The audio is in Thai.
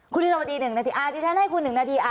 คุณธิรวมดี๑นาทีฉันให้คุณ๑นาที